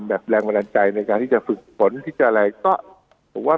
แรงบันดาลใจในการที่จะฝึกฝนที่จะอะไรก็ผมว่า